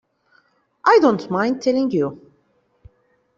I don't mind telling you.